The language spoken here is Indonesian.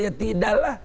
ya tidak lah